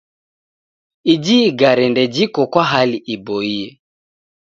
Iji igare ndejiko kwa hali iboie.